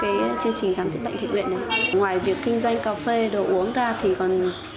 cái chương trình khám chữa bệnh thiện nguyện này ngoài việc kinh doanh cà phê đồ uống ra thì còn